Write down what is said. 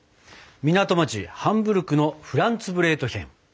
港町ハンブルクのフランツブレートヒェン。